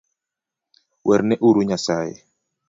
Werne uru nyasae